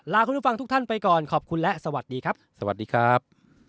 คุณผู้ชมฟังทุกท่านไปก่อนขอบคุณและสวัสดีครับสวัสดีครับ